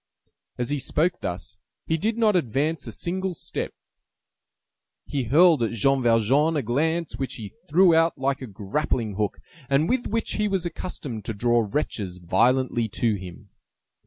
As he spoke thus, he did not advance a single step; he hurled at Jean Valjean a glance which he threw out like a grappling hook, and with which he was accustomed to draw wretches violently to him.